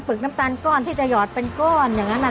น้ำตาลก้อนที่จะหยอดเป็นก้อนอย่างนั้น